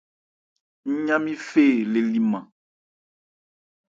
Ńyá-nmí fê le liman.